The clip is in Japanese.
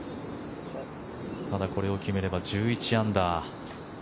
ただ、これを決めれば１１アンダー。